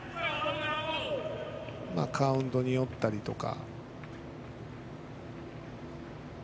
カウントによったりとか。